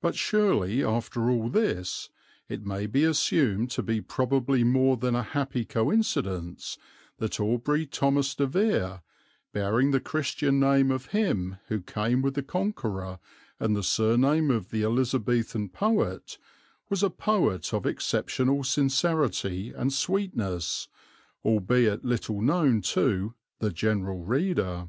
But surely, after all this, it may be assumed to be probably more than a happy coincidence that Aubrey Thomas De Vere, bearing the Christian name of him who came with the Conqueror and the surname of the Elizabethan poet, was a poet of exceptional sincerity and sweetness, albeit little known to "the general reader."